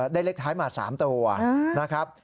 ได้เล็กท้ายมา๓ตัวนะครับ